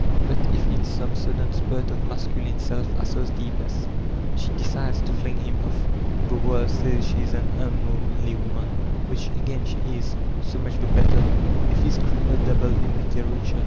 But if, m some sudden spurt of masculine sdf assertiveness, she decides to fling him off, the world sMys she b an un womanly woman,— which again she is; so modi the better* Effics creeper dabbled in Itteratore.